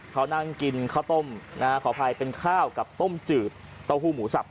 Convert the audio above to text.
เขานั่งกินข้าวต้มขออภัยเป็นข้าวกับต้มจืดเต้าหู้หมูสับ